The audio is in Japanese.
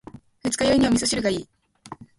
二日酔いには味噌汁がいい。